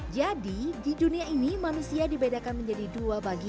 jadi di dunia ini manusia dibedakan menjadi dua bagian